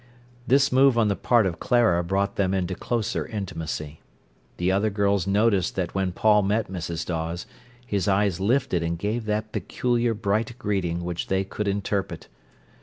This move on the part of Clara brought them into closer intimacy. The other girls noticed that when Paul met Mrs. Dawes his eyes lifted and gave that peculiar bright greeting which they could interpret.